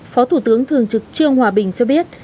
phó thủ tướng thường trực trương hòa bình cho biết